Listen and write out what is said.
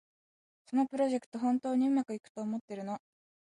そのプロジェクト、本当にうまくいくと思ってるの？